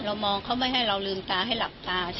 เรามองเขาไม่ให้เรารืมตาให้หลับตา